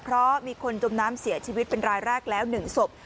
เพราะมีคนจมน้ำเสียชีวิตเป็นรายแรกแล้ว๑ศพ